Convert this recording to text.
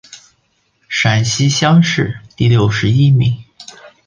陕西乡试第六十一名。